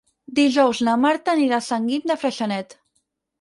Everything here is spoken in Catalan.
Dijous na Marta anirà a Sant Guim de Freixenet.